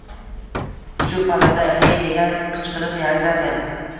Shu pallada: “Hey!” degan qichqiriq yangradi